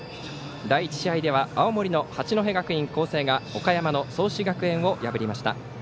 第１試合では青森の八戸学院光星が岡山の創志学園を破りました。